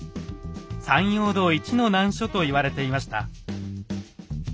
山陽道一の難所と言われていました。